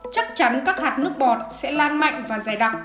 chắc chắn các hạt nước bọt sẽ lan mạnh và dày đặc